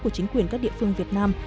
của chính quyền các địa phương việt nam